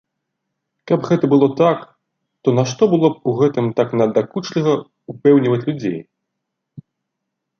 Каб гэта было так, то нашто было б у гэтым так надакучліва ўпэўніваць людзей?